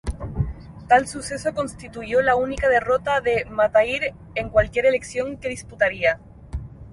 Tal suceso constituyó la única derrota de Mahathir en cualquier elección que disputaría.